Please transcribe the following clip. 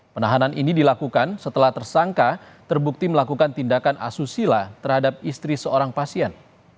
penahanan ini dilakukan setelah tersangka terbukti melakukan tindakan asusila terhadap istri seorang pasien